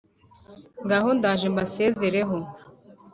ngaho ndaje mbasezereho